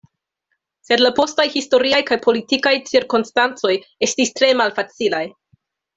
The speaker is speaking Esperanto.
Sed la postaj historiaj kaj politikaj cirkonstancoj estis tre malfacilaj.